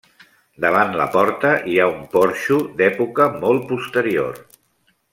Davant la porta hi ha un porxo, d'època molt posterior.